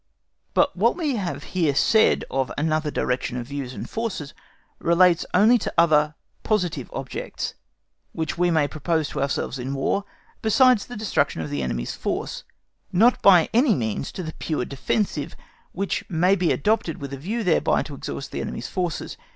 But what we have here said of another direction of views and forces relates only to other positive objects, which we may propose to ourselves in War, besides the destruction of the enemy's force, not by any means to the pure defensive, which may be adopted with a view thereby to exhaust the enemy's forces.